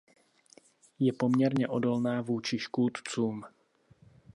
Je poměrně odolná vůči škůdcům.